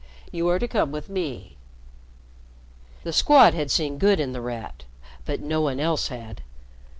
You are to come with me." The Squad had seen good in The Rat, but no one else had.